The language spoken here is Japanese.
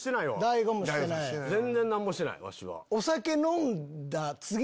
全然何もしてないワシは。